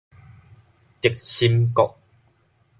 軸心國